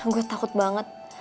gua takut banget